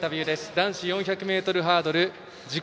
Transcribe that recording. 男子４００ｍハードル自己